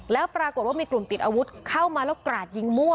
แล้วปรากฏว่ามีกลุ่มติดอาวุธเข้ามาแล้วกราดยิงมั่ว